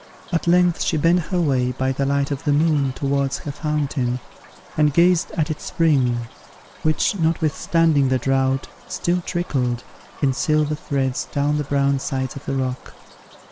At length she bent her way, by the light of the moon, towards her fountain, and gazed at its spring, which, notwithstanding the drought, still trickled, in silver threads down the brown sides of the rock.